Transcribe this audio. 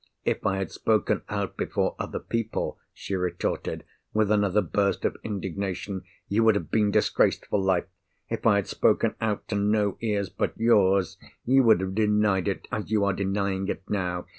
"If I had spoken out before other people," she retorted, with another burst of indignation, "you would have been disgraced for life! If I had spoken out to no ears but yours, you would have denied it, as you are denying it now!